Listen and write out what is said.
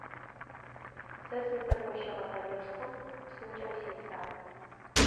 Сэ сыздэкощыгъэ къэлэшхом псынкӀэу сесагъ.